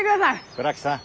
倉木さん。